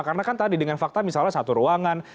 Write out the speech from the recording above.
karena kan tadi dengan fakta misalnya satu ruangan